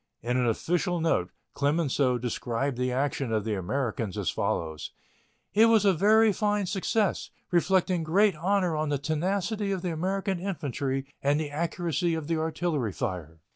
In an official note Clemenceau described the action of the Americans as follows: "It was a very fine success, reflecting great honor on the tenacity of the American infantry and the accuracy of the artillery fire."